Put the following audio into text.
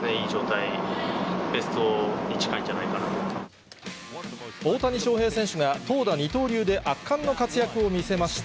打撃面は、そうですね、いい状態、大谷翔平選手が投打二刀流で圧巻の活躍を見せました。